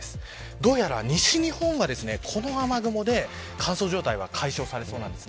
どうやら西日本は、この雨雲で乾燥状態は解消されそうです。